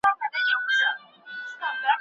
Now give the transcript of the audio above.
تړلي لوښي اکسیجن محدودوي.